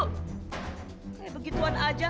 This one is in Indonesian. kayak begituan aja